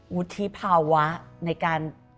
วุฒิภาวะในการ